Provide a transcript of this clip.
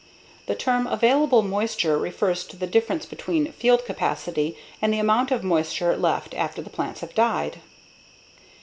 The term "available moisture" refers to the difference between field capacity and the amount of moisture left after the plants have died.